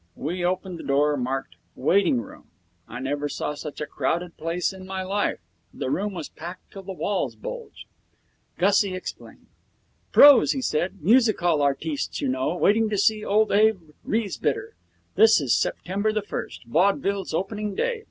We opened the door marked 'Waiting Room'. I never saw such a crowded place in my life. The room was packed till the walls bulged. Gussie explained. 'Pros,' he said, 'music hall artistes, you know, waiting to see old Abe Riesbitter. This is September the first, vaudeville's opening day.